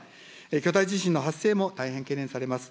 巨大地震の発生も大変懸念されます。